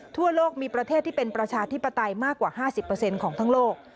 ทั่วโลกมีประเทศที่เป็นประชาธิปไตยมากกว่า๕๐ของทั้งโลก